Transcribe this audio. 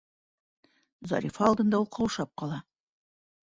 Зарифа алдында ул ҡаушап ҡала.